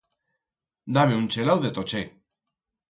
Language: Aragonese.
Da-me un chelau de tochet.